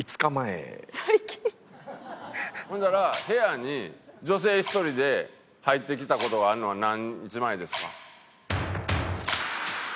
ほんだら部屋に女性１人で入ってきた事があるのは何日前ですか？